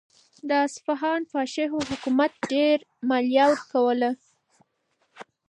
د اصفهان فاحشو حکومت ته ډېره مالیه ورکوله.